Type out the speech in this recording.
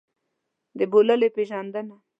د بوللې پېژندنه.